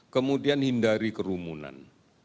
kemudian hindari kerumunan